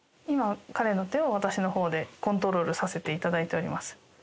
今、彼の手を私のほうでコントロールさせていただいております。